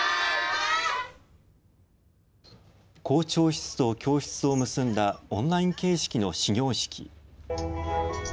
校長室と教室を結んだオンライン形式の始業式。